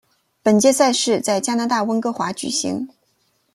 本届赛事在加拿大温哥华举行。